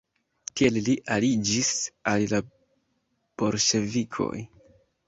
Tie li aliĝis al la Bolŝevikoj.